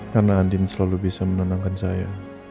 karena andien selalu bisa menenangkan saya